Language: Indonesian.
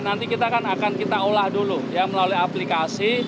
nanti kita akan kita olah dulu ya melalui aplikasi